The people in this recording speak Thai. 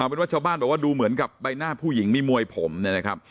เป็นว่าชาวบ้านบอกว่าดูเหมือนกับใบหน้าผู้หญิงมีมวยผมเนี่ยนะครับ